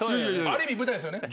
ある意味舞台ですよね？